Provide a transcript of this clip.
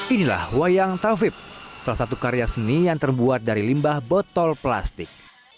inilah wayang tawib salah satu karya seni yang terbuat dari limbah botol plastik